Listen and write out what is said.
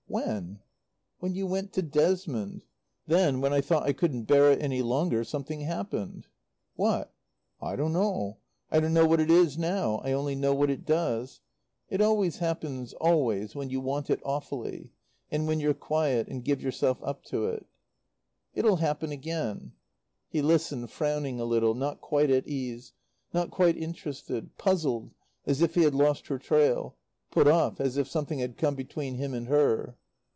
"When?" "When you went to Desmond. Then, when I thought I couldn't bear it any longer, something happened." "What?" "I don't know. I don't know what it is now; I only know what it does. It always happens always when you want it awfully. And when you're quiet and give yourself up to it." "It'll happen again." He listened, frowning a little, not quite at ease, not quite interested; puzzled, as if he had lost her trail; put off, as if something had come between him and her.